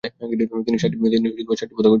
তিনি সাতটি পদক অর্জন করে ছিলেন।